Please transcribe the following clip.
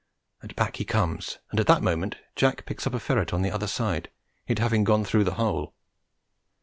and back he comes, and at that moment Jack picks up a ferret on the other side, it having gone through the hole.